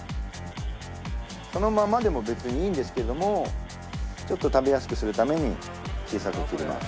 そのままでも別にいいんですけどもちょっと食べやすくするために小さく切ります。